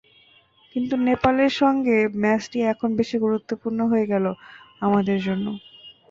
কিন্তু নেপালের সঙ্গে ম্যাচটি এখন বেশি গুরুত্বপূর্ণ হয়ে গেল আমাদের জন্য।